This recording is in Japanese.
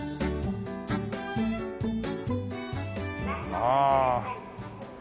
ああ。